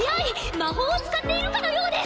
魔法を使っているかのようです。